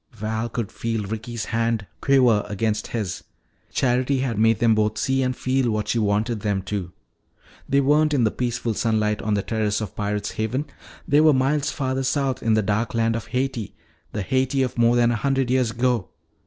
Val could feel Ricky's hand quiver against his. Charity had made them both see and feel what she wanted them to. They weren't in the peaceful sunlight on the terrace of Pirate's Haven; they were miles farther south in the dark land of Haiti, the Haiti of more than a hundred years ago.